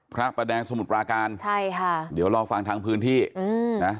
พระประแดงสมุทรปราการใช่ค่ะเดี๋ยวรอฟังทางพื้นที่อืมนะ